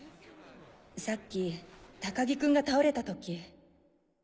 さっき高木君が倒れた時。